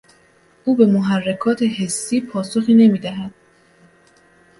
او به محرکات حسی پاسخی نمیدهد